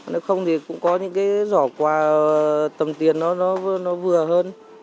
nếu không thì cũng có những cái giỏ quà tầm tiền nó vừa hơn